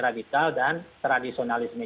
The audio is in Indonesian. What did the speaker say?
radikal dan tradisionalisme